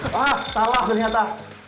ah salah ternyata